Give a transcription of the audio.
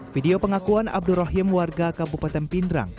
video pengakuan abdurrahim warga kabupaten pindrang